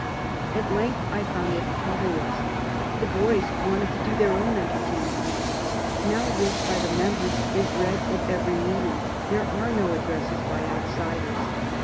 "At length I found what the trouble was the boys wanted to do their own entertaining. Now work by the members is read at every meeting; there are no addresses by outsiders.